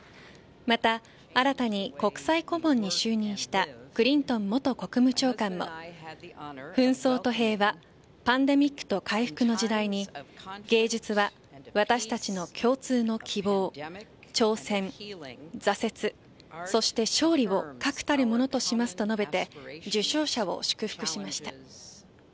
また、新たに国際顧問に就任したクリントン元大統領も紛争と平和パンデミックと回復の時代に芸術は私たちの共通の希望挑戦、挫折そして勝利を確たるものとしますと述べて受賞者を祝福しました。